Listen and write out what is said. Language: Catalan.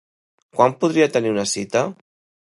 Quan podria tenir una cita?